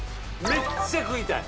めっちゃ食いたい！